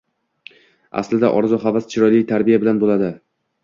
Aslida, orzu-havas chiroyli tarbiya bilan bo‘ladi